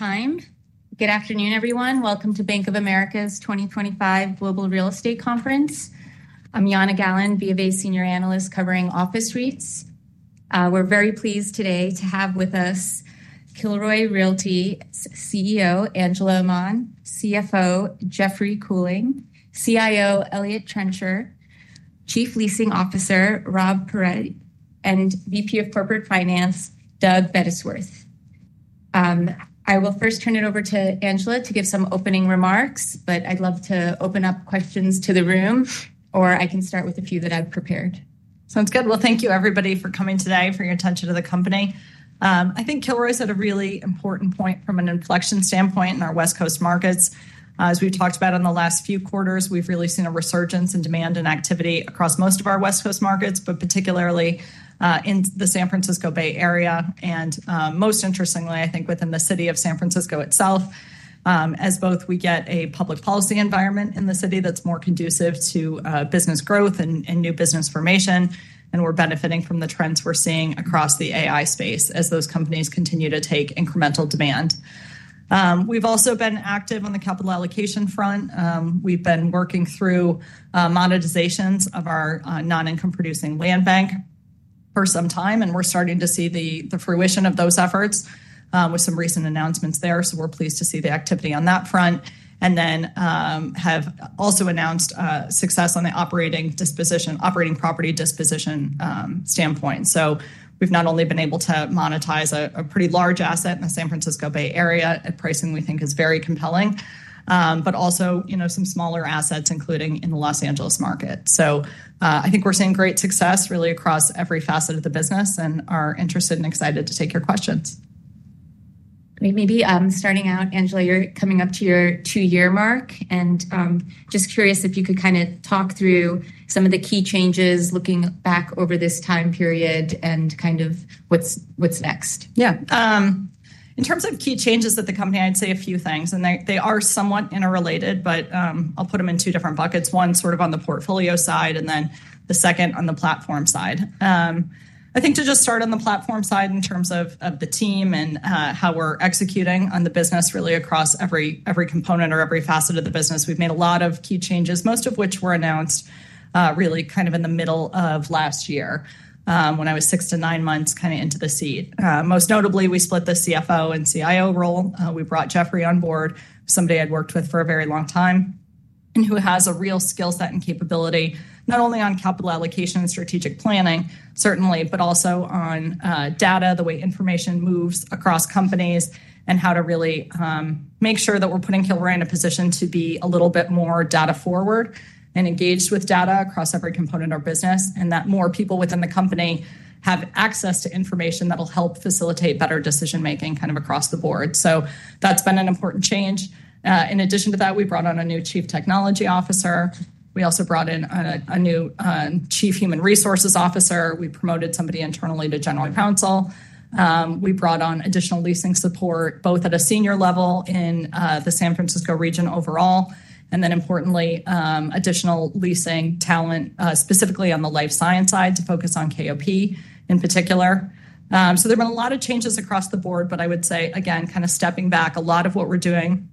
Good afternoon, everyone. Welcome to Bank of America's 2025 Global Real Estate Conference. I'm Yana Gallen, BofA Senior Analyst covering office suites. We're very pleased today to have with us Kilroy Realty CEO, Angela Aman, CFO, Jeffrey Kuehling, CIO, Eliott Trencher, Chief Leasing Officer, Rob Paratte, and VP of Corporate Finance, Doug Bettisworth. I will first turn it over to Angela to give some opening remarks, but I'd love to open up questions to the room, or I can start with a few that I've prepared. Thank you, everybody, for coming today, for your attention to the company. I think Kilroy is at a really important point from an inflection standpoint in our West Coast markets. As we've talked about in the last few quarters, we've really seen a resurgence in demand and activity across most of our West Coast markets, particularly in the San Francisco Bay Area, and most interestingly, I think, within the city of San Francisco itself, as both we get a public policy environment in the city that's more conducive to business growth and new business formation, and we're benefiting from the trends we're seeing across the AI space as those companies continue to take incremental demand. We've also been active on the capital allocation front. We've been working through monetizations of our non-income-producing land bank for some time, and we're starting to see the fruition of those efforts with some recent announcements there. We're pleased to see the activity on that front and have also announced success on the operating property disposition standpoint. We've not only been able to monetize a pretty large asset in the San Francisco Bay Area at pricing we think is very compelling, but also some smaller assets, including in the Los Angeles market. I think we're seeing great success really across every facet of the business and are interested and excited to take your questions. Maybe starting out, Angela, you're coming up to your two-year mark, and just curious if you could kind of talk through some of the key changes looking back over this time period and kind of what's next. Yeah. In terms of key changes at the company, I'd say a few things, and they are somewhat interrelated, but I'll put them in two different buckets. One sort of on the portfolio side, and then the second on the platform side. I think to just start on the platform side in terms of the team and how we're executing on the business really across every component or every facet of the business, we've made a lot of key changes, most of which were announced really kind of in the middle of last year when I was six to nine months kind of into the seat. Most notably, we split the CFO and CIO role. We brought Jeffrey Kuehling on board, somebody I'd worked with for a very long time, and who has a real skill set and capability not only on capital allocation and strategic planning, certainly, but also on data, the way information moves across companies, and how to really make sure that we're putting Kilroy in a position to be a little bit more data forward and engaged with data across every component of our business, and that more people within the company have access to information that'll help facilitate better decision making across the board. That's been an important change. In addition to that, we brought on a new Chief Technology Officer. We also brought in a new Chief Human Resources Officer. We promoted somebody internally to General Counsel. We brought on additional leasing support both at a senior level in the San Francisco region overall, and importantly, additional leasing talent specifically on the life science side to focus on KOP in particular. There have been a lot of changes across the board, but I would say, again, stepping back, a lot of what we're doing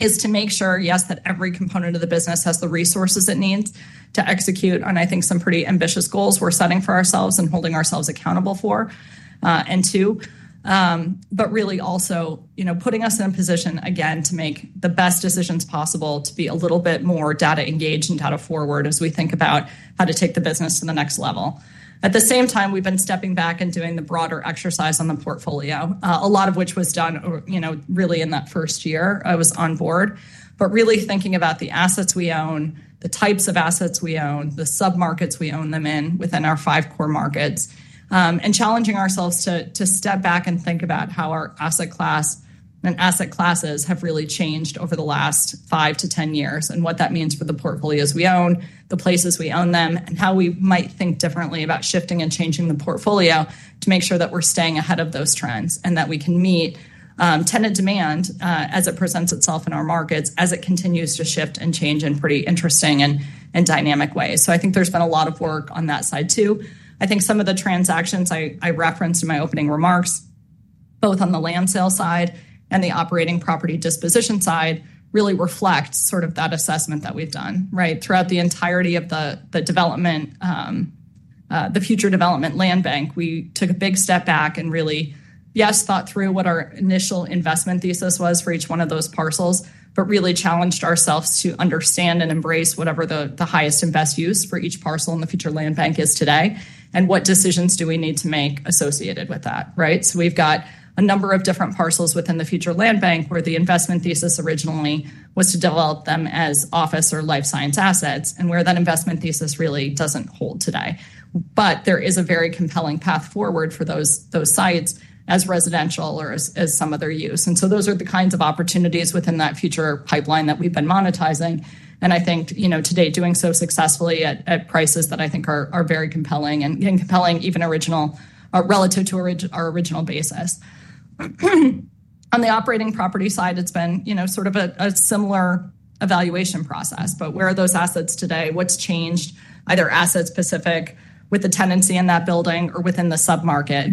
is to make sure, yes, that every component of the business has the resources it needs to execute on, I think, some pretty ambitious goals we're setting for ourselves and holding ourselves accountable for. Really also putting us in a position again to make the best decisions possible, to be a little bit more data engaged and data forward as we think about how to take the business to the next level. At the same time, we've been stepping back and doing the broader exercise on the portfolio, a lot of which was done really in that first year I was on board, but really thinking about the assets we own, the types of assets we own, the sub-markets we own them in within our five core markets, and challenging ourselves to step back and think about how our asset class and asset classes have really changed over the last 5 years-10 years and what that means for the portfolios we own, the places we own them, and how we might think differently about shifting and changing the portfolio to make sure that we're staying ahead of those trends and that we can meet tenant demand as it presents itself in our markets as it continues to shift and change in pretty interesting and dynamic ways. I think there's been a lot of work on that side too. I think some of the transactions I referenced in my opening remarks, both on the land sale side and the operating property disposition side, really reflect sort of that assessment that we've done. Throughout the entirety of the development, the future development land bank, we took a big step back and really, yes, thought through what our initial investment thesis was for each one of those parcels, but really challenged ourselves to understand and embrace whatever the highest and best use for each parcel in the future land bank is today and what decisions do we need to make associated with that. We've got a number of different parcels within the future land bank where the investment thesis originally was to develop them as office or life science assets and where that investment thesis really doesn't hold today. There is a very compelling path forward for those sites as residential or as some other use. Those are the kinds of opportunities within that future pipeline that we've been monetizing. I think today doing so successfully at prices that I think are very compelling and getting compelling even relative to our original basis. On the operating property side, it's been sort of a similar evaluation process, but where are those assets today? What's changed? Are there assets specific with the tenancy in that building or within the sub-market?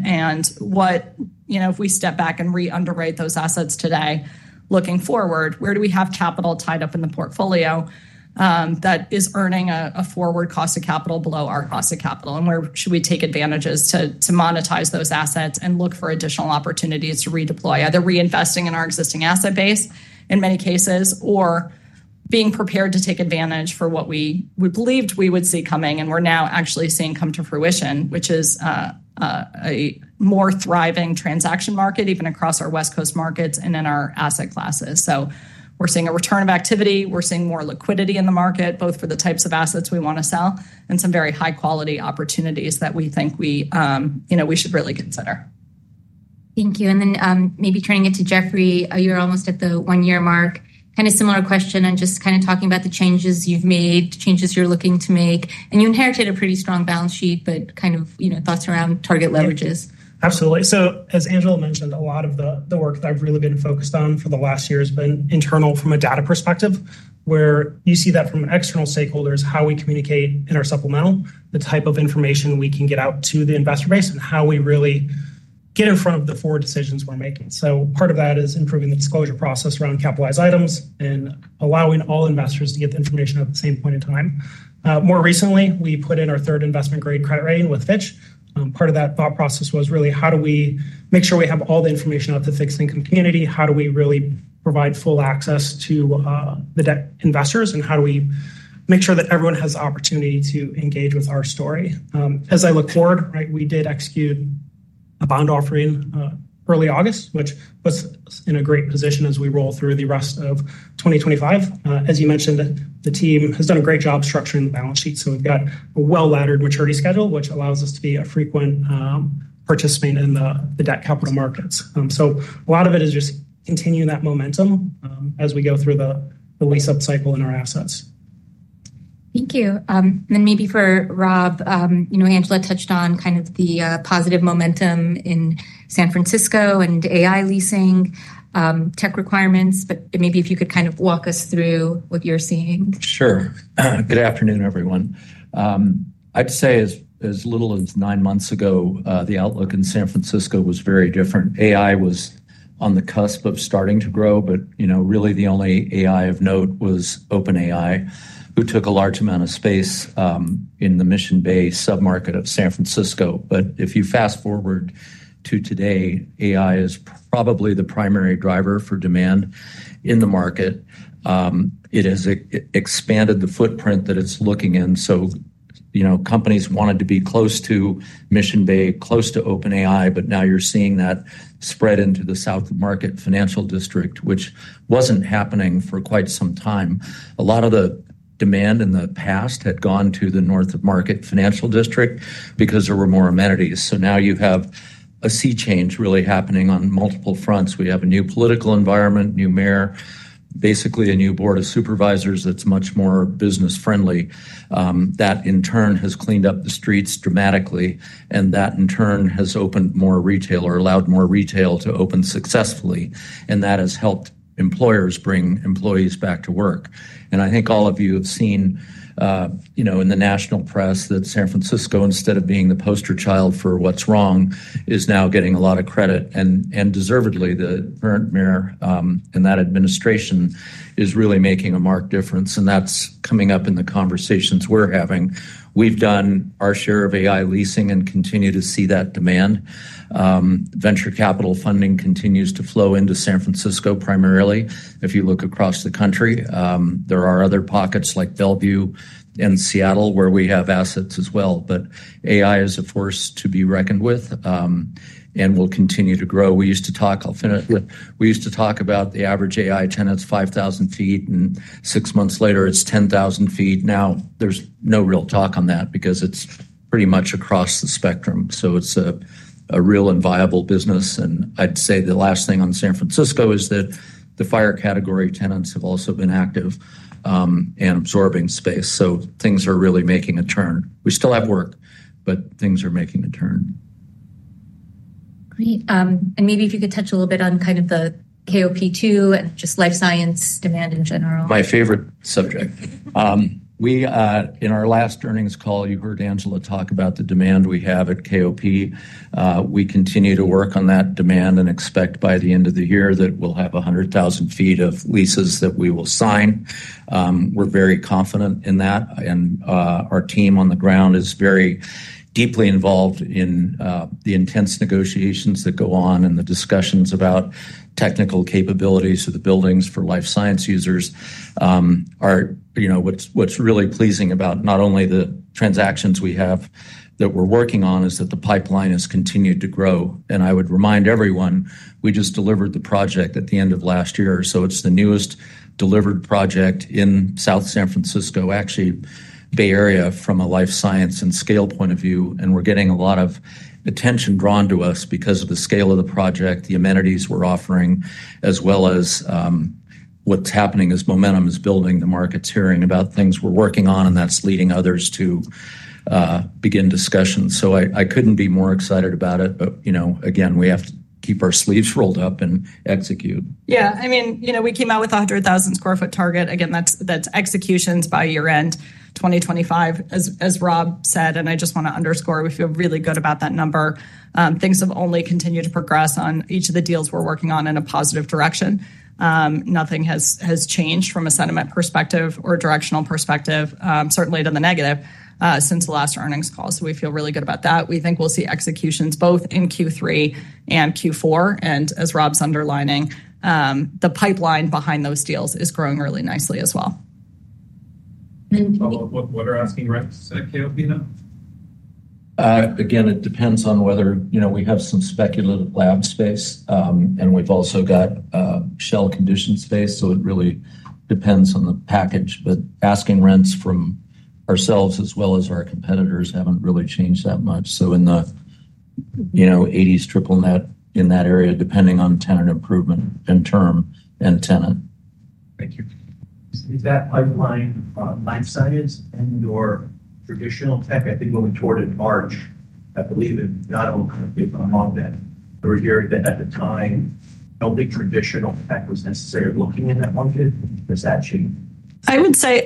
If we step back and re-underwrite those assets today, looking forward, where do we have capital tied up in the portfolio that is earning a forward cost of capital below our cost of capital? We should take advantages to monetize those assets and look for additional opportunities to redeploy, either reinvesting in our existing asset base in many cases or being prepared to take advantage of what we believed we would see coming and we're now actually seeing come to fruition, which is a more thriving transaction market even across our West Coast markets and in our asset classes. We're seeing a return of activity. We're seeing more liquidity in the market, both for the types of assets we want to sell and some very high-quality opportunities that we think we should really consider. Thank you. Maybe turning it to Jeffrey, you're almost at the one-year mark. Kind of similar question, just talking about the changes you've made, changes you're looking to make. You inherited a pretty strong balance sheet, but kind of thoughts around target leverages. Absolutely. As Angela mentioned, a lot of the work that I've really been focused on for the last year has been internal from a data perspective, where you see that from external stakeholders, how we communicate in our supplemental, the type of information we can get out to the investor base, and how we really get in front of the four decisions we're making. Part of that is improving the disclosure process around capitalized items and allowing all investors to get the information at the same point in time. More recently, we put in our third investment-grade credit rating with Fitch. Part of that thought process was really how do we make sure we have all the information out to the fixed income community? How do we really provide full access to the debt investors? How do we make sure that everyone has the opportunity to engage with our story? As I look forward, we did execute a bond offering early August, which puts us in a great position as we roll through the rest of 2025. As you mentioned, the team has done a great job structuring the balance sheet. We've got a well-laddered maturity schedule, which allows us to be a frequent participant in the debt capital markets. A lot of it is just continuing that momentum as we go through the lease-up cycle in our assets. Thank you. Maybe for Rob, you know Angela touched on kind of the positive momentum in San Francisco and AI leasing tech requirements, but maybe if you could kind of walk us through what you're seeing. Sure. Good afternoon, everyone. I'd say as little as nine months ago, the outlook in San Francisco was very different. AI was on the cusp of starting to grow, but really the only AI of note was OpenAI, who took a large amount of space in the Mission Bay submarket of San Francisco. If you fast forward to today, AI is probably the primary driver for demand in the market. It has expanded the footprint that it's looking in. Companies wanted to be close to Mission Bay, close to OpenAI, but now you're seeing that spread into the south market financial district, which wasn't happening for quite some time. A lot of the demand in the past had gone to the north market financial district because there were more amenities. Now you have a sea change really happening on multiple fronts. We have a new political environment, new mayor, basically a new Board of Supervisors that's much more business-friendly. That in turn has cleaned up the streets dramatically, and that in turn has opened more retail or allowed more retail to open successfully. That has helped employers bring employees back to work. I think all of you have seen in the national press that San Francisco, instead of being the poster child for what's wrong, is now getting a lot of credit. Deservedly, the current mayor and that administration is really making a marked difference. That's coming up in the conversations we're having. We've done our share of AI leasing and continue to see that demand. Venture capital funding continues to flow into San Francisco primarily. If you look across the country, there are other pockets like Bellevue and Seattle where we have assets as well. AI is a force to be reckoned with and will continue to grow. We used to talk, I'll finish with, we used to talk about the average AI tenant's 5,000 ft, and six months later, it's 10,000 ft. Now there's no real talk on that because it's pretty much across the spectrum. It's a real and viable business. I'd say the last thing on San Francisco is that the fire category tenants have also been active and absorbing space. Things are really making a turn. We still have work, but things are making a turn. Great. Maybe if you could touch a little bit on kind of the KOP too and just life science demand in general. My favorite subject. We, in our last earnings call, you heard Angela talk about the demand we KOP. we continue to work on that demand and expect by the end of the year that we'll have 100,000 ft of leases that we will sign. We're very confident in that. Our team on the ground is very deeply involved in the intense negotiations that go on and the discussions about technical capabilities of the buildings for life science users. What's really pleasing about not only the transactions we have that we're working on is that the pipeline has continued to grow. I would remind everyone, we just delivered the project at the end of last year. It's the newest delivered project in South San Francisco, actually Bay Area from a life science and scale point of view. We're getting a lot of attention drawn to us because of the scale of the project, the amenities we're offering, as well as what's happening as momentum is building. The market's hearing about things we're working on, and that's leading others to begin discussions. I couldn't be more excited about it. We have to keep our sleeves rolled up and execute. Yeah, I mean, we came out with a 100,000 sq ft target. Again, that's executions by year end 2025, as Rob said. I just want to underscore, we feel really good about that number. Things have only continued to progress on each of the deals we're working on in a positive direction. Nothing has changed from a sentiment perspective or directional perspective, certainly to the negative since the last earnings call. We feel really good about that. We think we'll see executions both in Q3 and Q4. As Rob's underlining, the pipeline behind those deals is growing really nicely as well. What are asking KOP now? It depends on whether we have some speculative lab space. We've also got shell condition space, so it really depends on the package. Asking rents from ourselves as well as our competitors haven't really changed that much. In the $80s triple net in that area, depending on tenant improvement in term and tenant. Thank you. Is that pipeline on life science and/or traditional tech? I think we went toward it in March. I believe in Donald, the promo event. I remember hearing that at the time, I don't think traditional tech was necessarily looking in that market. Has that changed? I would say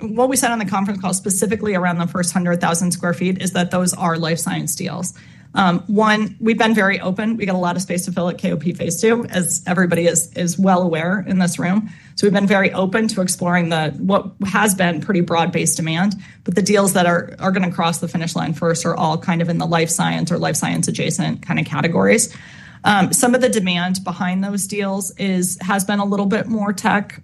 what we said on the conference call specifically around the first 100,000 sq ft is that those are life science deals. One, we've been very open. We got a lot of space to KOP phase II, as everybody is well aware in this room. We've been very open to exploring what has been pretty broad-based demand. The deals that are going to cross the finish line first are all kind of in the life science or life science adjacent kind of categories. Some of the demand behind those deals has been a little bit more tech.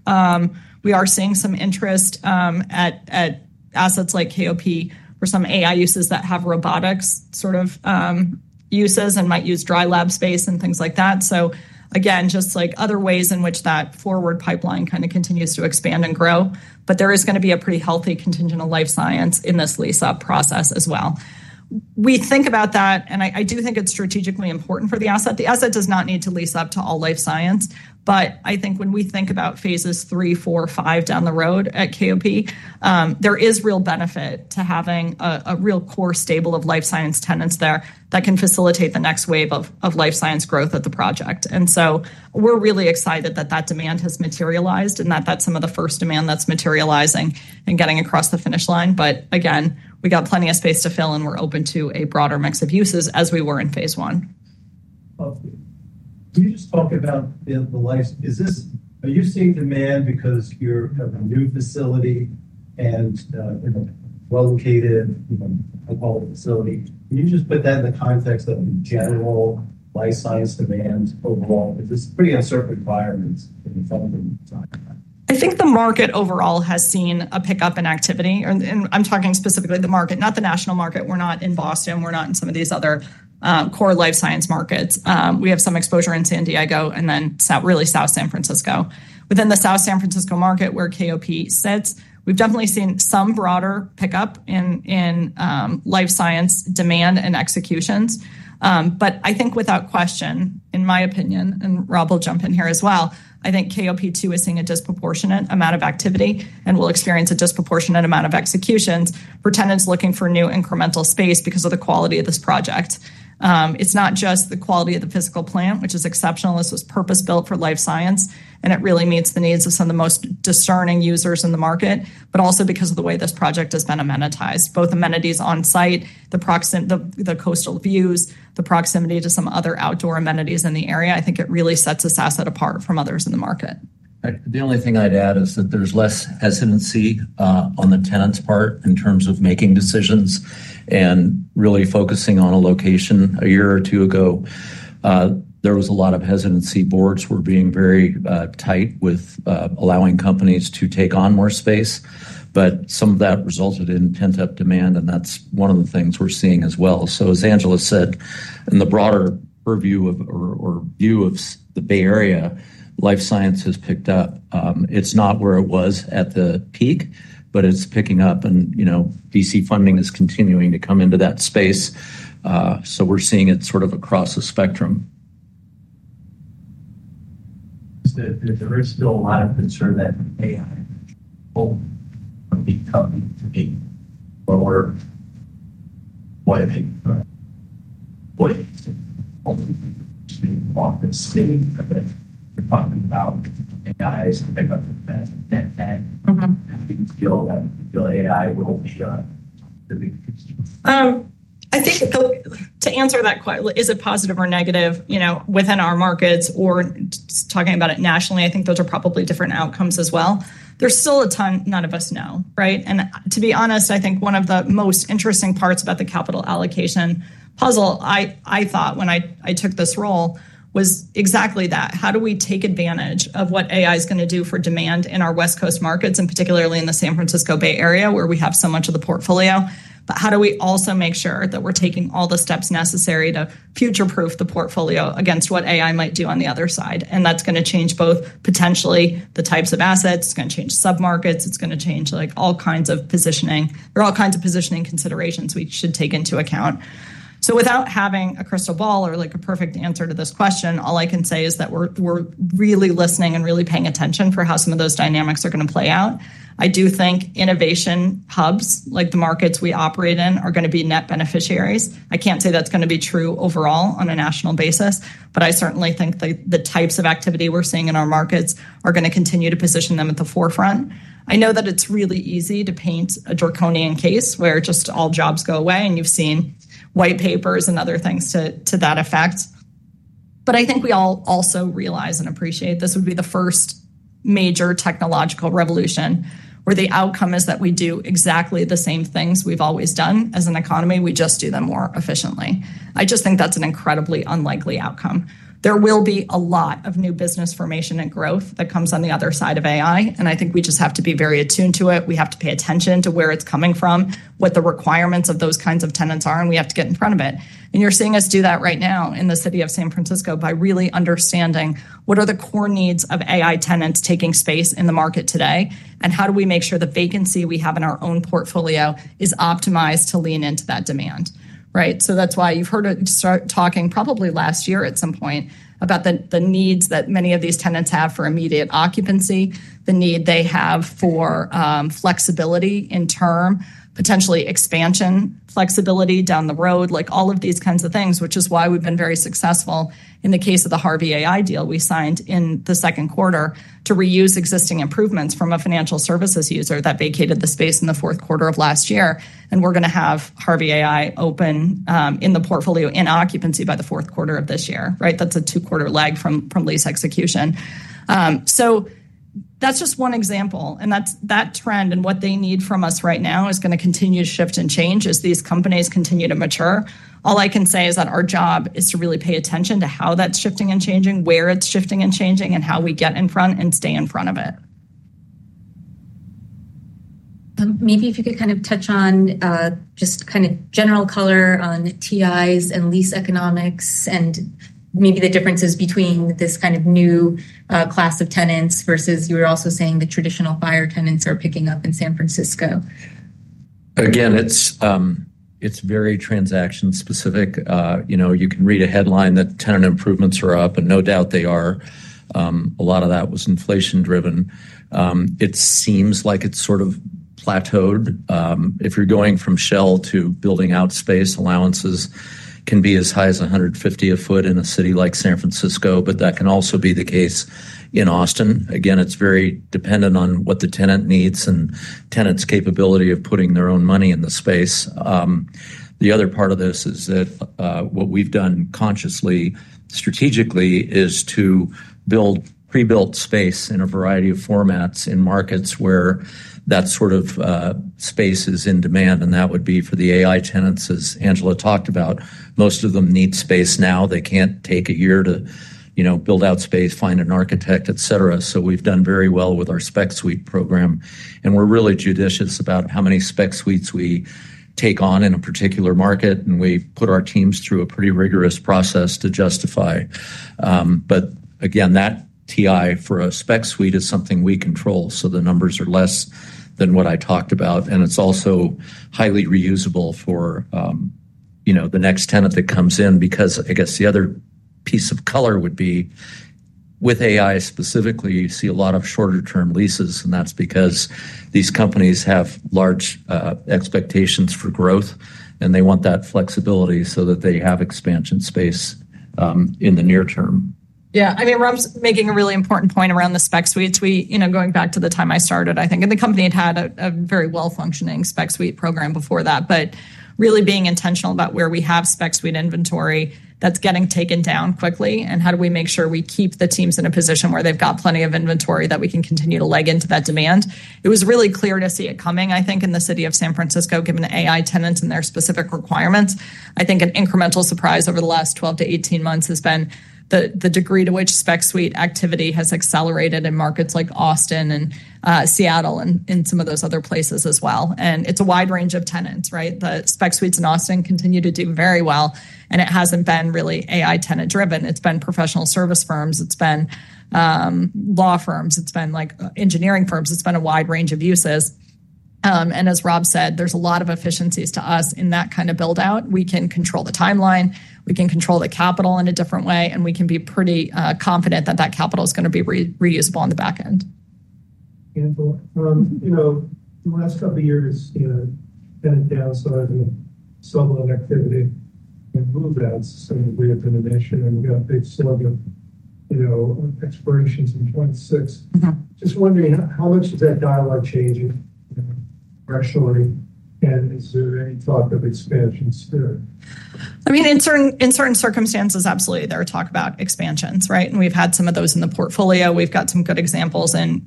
We are seeing some interest at KOP or some AI uses that have robotics sort of uses and might use dry lab space and things like that. Just like other ways in which that forward pipeline kind of continues to expand and grow. There is going to be a pretty healthy contingent of life science in this lease-up process as well. We think about that, and I do think it's strategically important for the asset. The asset does not need to lease up to all life science. When we think about phases III, IV, V down the KOP, there is real benefit to having a real core stable of life science tenants there that can facilitate the next wave of life science growth at the project. We're really excited that that demand has materialized and that that's some of the first demand that's materializing and getting across the finish line. We got plenty of space to fill, and we're open to a broader mix of uses as we were in phase I. Do you just talk about the life, is this, are you seeing demand because you have a new facility and you know well-located, I call it a facility? Can you just put that in the context of general life science demand overall? Is this a pretty uncertain environment? I think the market overall has seen a pickup in activity. I'm talking specifically the market, not the national market. We're not in Boston. We're not in some of these other core life science markets. We have some exposure in San Diego and then really South San Francisco. Within the South San Francisco KOP sits, we've definitely seen some broader pickup in life science demand and executions. I think without question, in my opinion, and Rob will jump in here as think KOP 2 is seeing a disproportionate amount of activity and will experience a disproportionate amount of executions for tenants looking for new incremental space because of the quality of this project. It's not just the quality of the physical plant, which is exceptional. This was purpose-built for life science, and it really meets the needs of some of the most discerning users in the market, but also because of the way this project has been amenitized. Both amenities on site, the coastal views, the proximity to some other outdoor amenities in the area, I think it really sets this asset apart from others in the market. The only thing I'd add is that there's less hesitancy on the tenant's part in terms of making decisions and really focusing on a location. A year or two ago, there was a lot of hesitancy. Boards were being very tight with allowing companies to take on more space, but some of that resulted in pent-up demand, and that's one of the things we're seeing as well. As Angela said, in the broader purview or view of the Bay Area, life science has picked up. It's not where it was at the peak, but it's picking up, and VC funding is continuing to come into that space. We're seeing it sort of across the spectrum. Is the bridge still aligned with sort of that AI? Talking about AI as something that's at that, I think it's still an AI world, to be honest. I think to answer that question, is it positive or negative within our markets or talking about it nationally, I think those are probably different outcomes as well. There's still a ton none of us know. Right? I think one of the most interesting parts about the capital allocation puzzle I thought when I took this role was exactly that. How do we take advantage of what AI is going to do for demand in our West Coast markets, and particularly in the San Francisco Bay Area where we have so much of the portfolio? How do we also make sure that we're taking all the steps necessary to future-proof the portfolio against what AI might do on the other side? That's going to change both potentially the types of assets, it's going to change submarkets, it's going to change all kinds of positioning. There are all kinds of positioning considerations we should take into account. Without having a crystal ball or a perfect answer to this question, all I can say is that we're really listening and really paying attention for how some of those dynamics are going to play out. I do think innovation hubs, like the markets we operate in, are going to be net beneficiaries. I can't say that's going to be true overall on a national basis, but I certainly think the types of activity we're seeing in our markets are going to continue to position them at the forefront. I know that it's really easy to paint a draconian case where just all jobs go away, and you've seen white papers and other things to that effect. I think we all also realize and appreciate this would be the first major technological revolution where the outcome is that we do exactly the same things we've always done as an economy. We just do them more efficiently. I just think that's an incredibly unlikely outcome. There will be a lot of new business formation and growth that comes on the other side of AI, and I think we just have to be very attuned to it. We have to pay attention to where it's coming from, what the requirements of those kinds of tenants are, and we have to get in front of it. You're seeing us do that right now in the city of San Francisco by really understanding what are the core needs of AI tenants taking space in the market today, and how do we make sure the vacancy we have in our own portfolio is optimized to lean into that demand. Right? That's why you've heard us start talking probably last year at some point about the needs that many of these tenants have for immediate occupancy, the need they have for flexibility in term, potentially expansion flexibility down the road, like all of these kinds of things, which is why we've been very successful in the case of the Harvey AI deal we signed in the second quarter to reuse existing improvements from a financial services user that vacated the space in the fourth quarter of last year. We're going to have Harvey AI open in the portfolio in occupancy by the fourth quarter of this year. That's a two-quarter lag from lease execution. That's just one example. That trend and what they need from us right now is going to continue to shift and change as these companies continue to mature. All I can say is that our job is to really pay attention to how that's shifting and changing, where it's shifting and changing, and how we get in front and stay in front of it. Maybe if you could kind of touch on just kind of general color on TIs and lease economics, and maybe the differences between this kind of new class of tenants versus you were also saying the traditional FIRE tenants are picking up in San Francisco. Again, it's very transaction specific. You can read a headline that tenant improvements are up, and no doubt they are. A lot of that was inflation driven. It seems like it's sort of plateaued. If you're going from shell to building out space, allowances can be as high as $150 a ft in a city like San Francisco, but that can also be the case in Austin. It's very dependent on what the tenant needs and the tenant's capability of putting their own money in the space. The other part of this is that what we've done consciously, strategically, is to build pre-built space in a variety of formats in markets where that sort of space is in demand. That would be for the AI tenants, as Angela talked about. Most of them need space now. They can't take a year to build out space, find an architect, et cetera. We've done very well with our spec suite program. We're really judicious about how many spec suites we take on in a particular market. We put our teams through a pretty rigorous process to justify. That TI for a spec suite is something we control. The numbers are less than what I talked about. It's also highly reusable for the next tenant that comes in because the other piece of color would be with AI specifically, you see a lot of shorter-term leases. That's because these companies have large expectations for growth. They want that flexibility so that they have expansion space in the near term. Yeah, I mean, Rob's making a really important point around the spec suites. We, you know, going back to the time I started, I think, and the company had had a very well-functioning spec suite program before that. Really being intentional about where we have spec suite inventory that's getting taken down quickly, and how do we make sure we keep the teams in a position where they've got plenty of inventory that we can continue to leg into that demand. It was really clear to see it coming, I think, in the city of San Francisco, given the AI tenants and their specific requirements. I think an incremental surprise over the last 12 months-18 months has been the degree to which spec suite activity has accelerated in markets like Austin and Seattle and some of those other places as well. It's a wide range of tenants, right? The spec suites in Austin continue to do very well, and it hasn't been really AI tenant driven. It's been professional service firms, law firms, engineering firms, a wide range of uses. As Rob said, there's a lot of efficiencies to us in that kind of build-out. We can control the timeline, we can control the capital in a different way, and we can be pretty confident that that capital is going to be reusable on the back end. In the last couple of years, kind of downside and struggle of activity and move-outs and reopen the mission. We got a big slug of expirations in 2026. Just wondering, how much is that dialogue changing, rationally, and is there any talk of expansions too? In certain circumstances, absolutely, there are talk about expansions. Right? We've had some of those in the portfolio. We've got some good examples in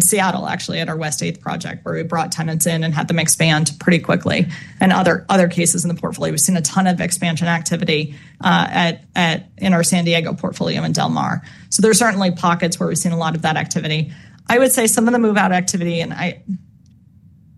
Seattle, actually, at our West 8th project where we brought tenants in and had them expand pretty quickly. In other cases in the portfolio, we've seen a ton of expansion activity in our San Diego portfolio in Del Mar. There are certainly pockets where we've seen a lot of that activity. I would say some of the move-out activity, and I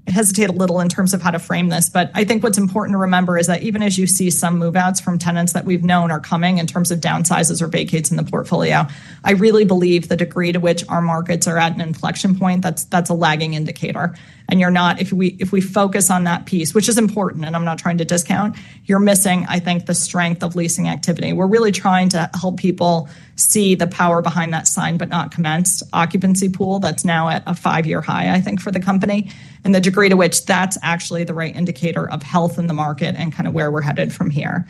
hesitate a little in terms of how to frame this, but I think what's important to remember is that even as you see some move-outs from tenants that we've known are coming in terms of downsizes or vacates in the portfolio, I really believe the degree to which our markets are at an inflection point, that's a lagging indicator. If we focus on that piece, which is important, and I'm not trying to discount, you're missing, I think, the strength of leasing activity. We're really trying to help people see the power behind that sign but not commence occupancy pool that's now at a five-year high, I think, for the company. The degree to which that's actually the right indicator of health in the market and kind of where we're headed from here.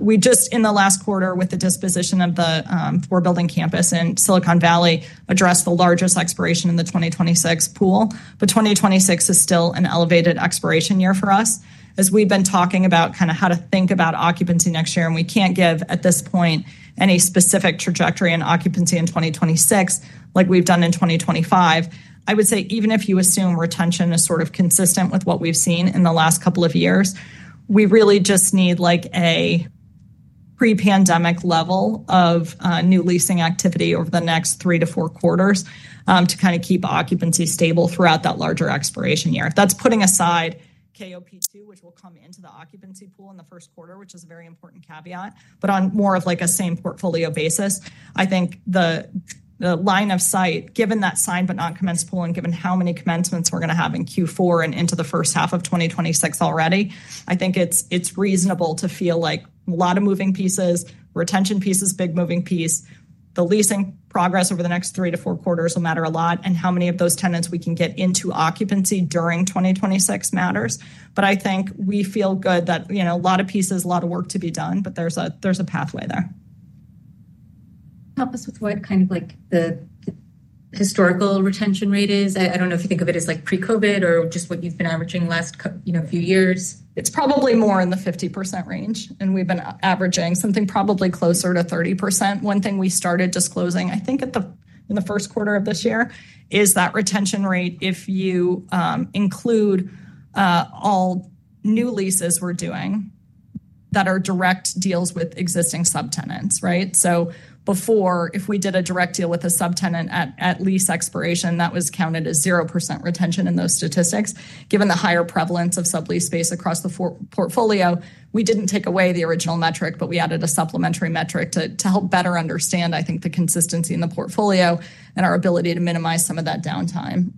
We just, in the last quarter, with the disposition of the four-building campus in Silicon Valley, addressed the largest expiration in the 2026 pool. 2026 is still an elevated expiration year for us. As we've been talking about kind of how to think about occupancy next year, we can't give at this point any specific trajectory in occupancy in 2026, like we've done in 2025. I would say even if you assume retention is sort of consistent with what we've seen in the last couple of years, we really just need like a pre-pandemic level of new leasing activity over the next three to four quarters to kind of keep occupancy stable throughout that larger expiration year. That's putting aside KOP2, which will come into the occupancy pool in the first quarter, which is a very important caveat. On more of a same portfolio basis, I think the line of sight, given that sign but not commence pool, and given how many commencements we're going to have in Q4 and into the first half of 2026 already, I think it's reasonable to feel like a lot of moving pieces, retention pieces, big moving piece, the leasing progress over the next three to four quarters will matter a lot, and how many of those tenants we can get into occupancy during 2026 matters. I think we feel good that a lot of pieces, a lot of work to be done, but there's a pathway there. Help us with what kind of the historical retention rate is. I don't know if you think of it as pre-COVID or just what you've been averaging the last few years. It's probably more in the 50% range. We've been averaging something probably closer to 30%. One thing we started disclosing, I think, in the first quarter of this year is that retention rate, if you include all new leases we're doing that are direct deals with existing subtenants. Right? Before, if we did a direct deal with a subtenant at lease expiration, that was counted as 0% retention in those statistics. Given the higher prevalence of sublease space across the portfolio, we didn't take away the original metric, but we added a supplementary metric to help better understand, I think, the consistency in the portfolio and our ability to minimize some of that downtime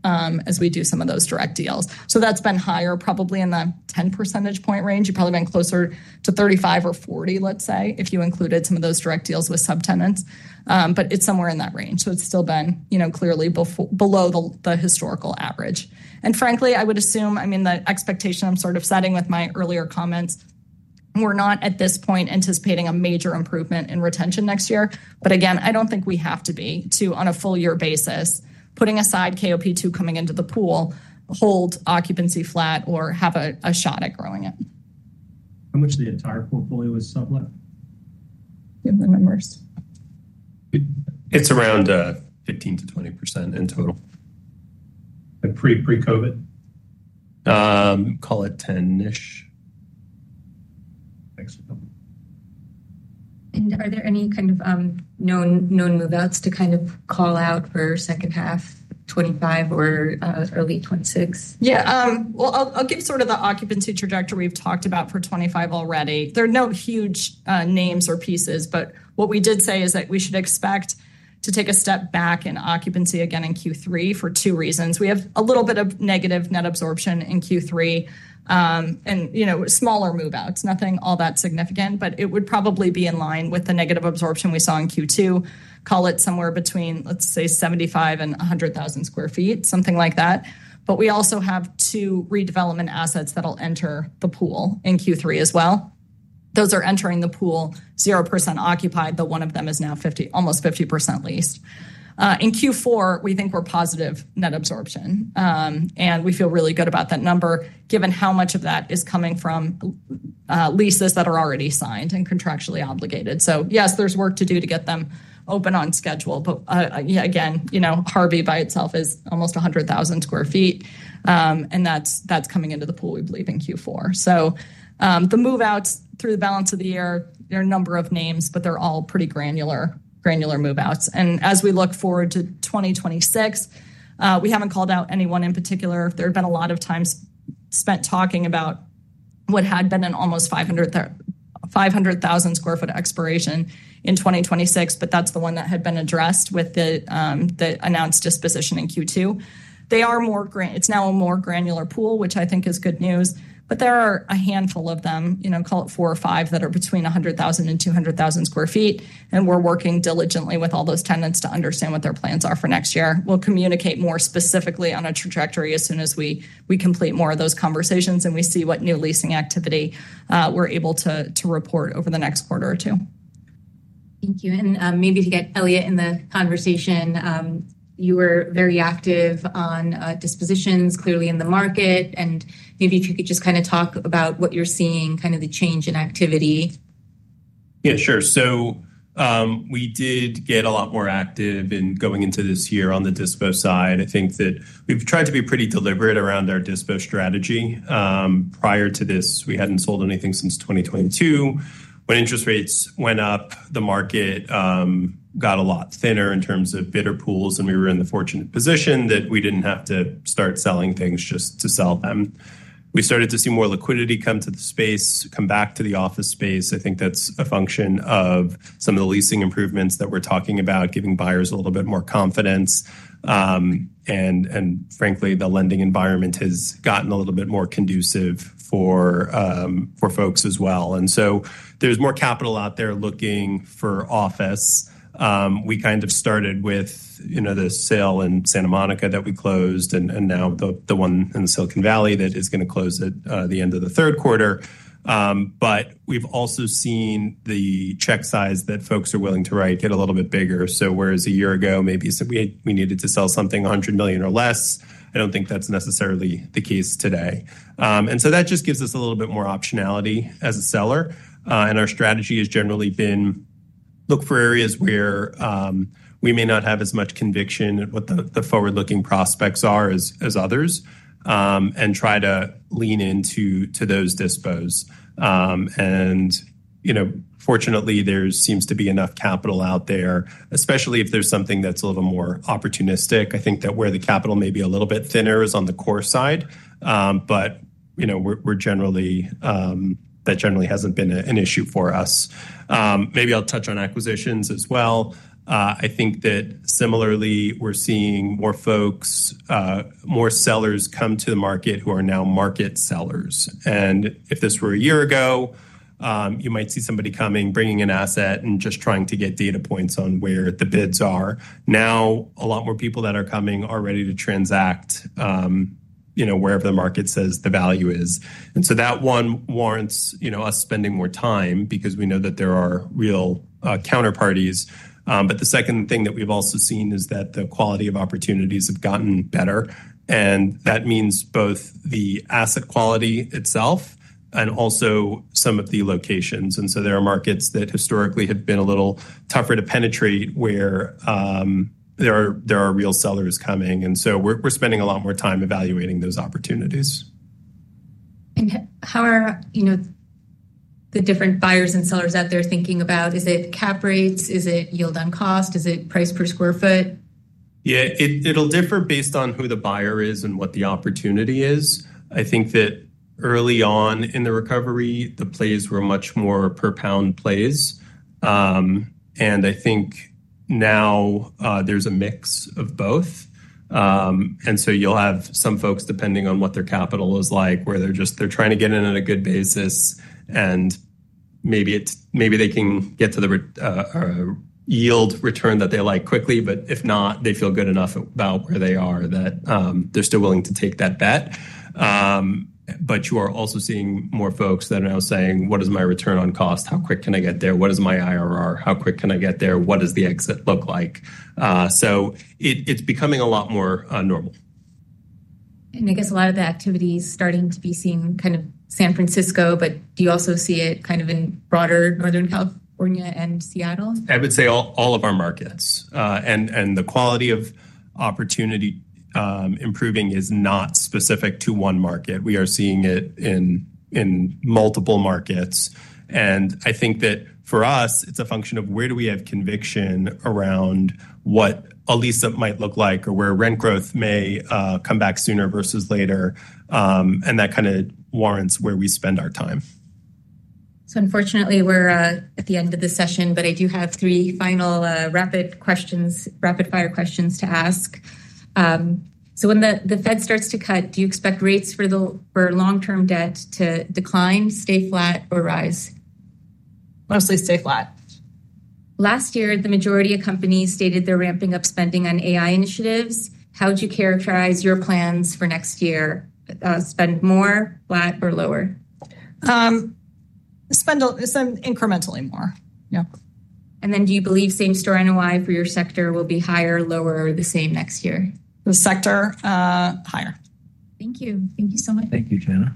as we do some of those direct deals. That's been higher, probably in the 10 percentage point range. You've probably been closer to 35% or 40%, let's say, if you included some of those direct deals with subtenants. It's somewhere in that range. It's still been clearly below the historical average. Frankly, I would assume, I mean, the expectation I'm sort of setting with my earlier comments, we're not at this point anticipating a major improvement in retention next year. Again, I don't think we have to be to, on a full-year basis, putting aside KOP2 coming into the pool, hold occupancy flat or have a shot at growing it. How much of the entire portfolio is sublet? It's around 15%-20% in total. And pre-COVID? Call it 10%-ish. Are there any kind of known move-outs to call out for the second half of 2025 or early 2026? Yeah. I'll give sort of the occupancy trajectory we've talked about for 2025 already. There are no huge names or pieces, but what we did say is that we should expect to take a step back in occupancy again in Q3 for two reasons. We have a little bit of negative net absorption in Q3 and smaller move-outs, nothing all that significant, but it would probably be in line with the negative absorption we saw in Q2. Call it somewhere between, let's say, 75,000 sq ft and 100,000 sq ft, something like that. We also have two redevelopment assets that will enter the pool in Q3 as well. Those are entering the pool 0% occupied, but one of them is now almost 50% leased. In Q4, we think we're positive net absorption. We feel really good about that number given how much of that is coming from leases that are already signed and contractually obligated. Yes, there's work to do to get them open on schedule. Harvey by itself is almost 100,000 sq ft, and that's coming into the pool, we believe, in Q4. The move-outs through the balance of the year, there are a number of names, but they're all pretty granular move-outs. As we look forward to 2026, we haven't called out anyone in particular. There have been a lot of times spent talking about what had been an almost 500,000 sq ft expiration in 2026, but that's the one that had been addressed with the announced disposition in Q2. It's now a more granular pool, which I think is good news. There are a handful of them, you know, call it four or five, that are between 100,000 sq ft and 200,000 sq ft. We're working diligently with all those tenants to understand what their plans are for next year. We'll communicate more specifically on a trajectory as soon as we complete more of those conversations and we see what new leasing activity we're able to report over the next quarter or two. Thank you. Maybe to get Eliott in the conversation, you were very active on dispositions clearly in the market. Maybe if you could just kind of talk about what you're seeing, kind of the change in activity. Yeah, sure. We did get a lot more active going into this year on the dispo side. I think that we've tried to be pretty deliberate around our dispo strategy. Prior to this, we hadn't sold anything since 2022. When interest rates went up, the market got a lot thinner in terms of bidder pools, and we were in the fortunate position that we didn't have to start selling things just to sell them. We started to see more liquidity come to the space, come back to the office space. I think that's a function of some of the leasing improvements that we're talking about, giving buyers a little bit more confidence. Frankly, the lending environment has gotten a little bit more conducive for folks as well. There's more capital out there looking for office. We kind of started with the sale in Santa Monica that we closed, and now the one in Silicon Valley that is going to close at the end of the third quarter. We've also seen the check size that folks are willing to write get a little bit bigger. Whereas a year ago, maybe we needed to sell something $100 million or less, I don't think that's necessarily the case today. That just gives us a little bit more optionality as a seller. Our strategy has generally been look for areas where we may not have as much conviction at what the forward-looking prospects are as others, and try to lean into those dispos. Fortunately, there seems to be enough capital out there, especially if there's something that's a little more opportunistic. I think that where the capital may be a little bit thinner is on the core side. That generally hasn't been an issue for us. Maybe I'll touch on acquisitions as well. I think that similarly, we're seeing more folks, more sellers come to the market who are now market sellers. If this were a year ago, you might see somebody coming, bringing an asset, and just trying to get data points on where the bids are. Now, a lot more people that are coming are ready to transact wherever the market says the value is. That one warrants us spending more time because we know that there are real counterparties. The second thing that we've also seen is that the quality of opportunities has gotten better. That means both the asset quality itself and also some of the locations. There are markets that historically had been a little tougher to penetrate where there are real sellers coming. We're spending a lot more time evaluating those opportunities. How are the different buyers and sellers out there thinking about, is it cap rates? Is it yield on cost? Is it price per sq ft? Yeah, it'll differ based on who the buyer is and what the opportunity is. I think that early on in the recovery, the plays were much more per pound plays. I think now there's a mix of both. You'll have some folks, depending on what their capital is like, where they're just trying to get in on a good basis. Maybe they can get to the yield return that they like quickly. If not, they feel good enough about where they are that they're still willing to take that bet. You are also seeing more folks that are now saying, what is my return on cost? How quick can I get there? What is my IRR? How quick can I get there? What does the exit look like? It's becoming a lot more normal. A lot of the activity is starting to be seen kind of San Francisco, but do you also see it kind of in broader Northern California and Seattle? I would say all of our markets, and the quality of opportunity improving is not specific to one market. We are seeing it in multiple markets. I think that for us, it's a function of where do we have conviction around what a lease might look like or where rent growth may come back sooner versus later. That kind of warrants where we spend our time. Unfortunately, we're at the end of the session, but I do have three final rapid-fire questions to ask. When the Fed starts to cut, do you expect rates for long-term debt to decline, stay flat, or rise? Mostly stay flat. Last year, the majority of companies stated they're ramping up spending on AI initiatives. How would you characterize your plans for next year? Spend more, flat, or lower? Spend incrementally more. Yeah. Do you believe same-store net operating income for your sector will be higher, lower, or the same next year? The sector higher. Thank you. Thank you so much. Thank you, Yana.